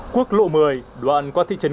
quốc lộ một mươi đoạn qua thị trấn côn